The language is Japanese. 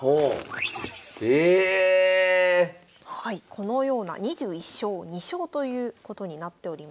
このような２１勝２勝ということになっております。